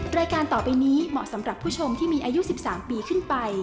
รายการต่อไปนี้เหมาะสำหรับผู้ชมที่มีอายุ๑๓ปีขึ้นไป